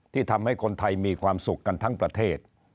ทำให้คนไทยมีความสุขกันทั้งประเทศ